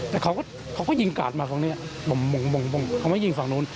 แต่เขาก็ยิงกาดมาตรงนี้ผมมายิงฝั่งนู้น